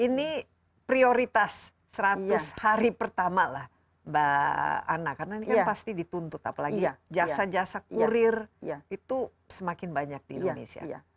ini prioritas seratus hari pertama lah mbak ana karena ini kan pasti dituntut apalagi jasa jasa kurir itu semakin banyak di indonesia